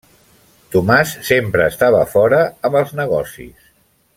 Tomàs sempre estava fora, amb els negocis.